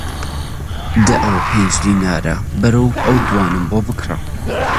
دەی ئەو پێنج دینارە بەرە و ئەو دوانەم بۆ بکڕە!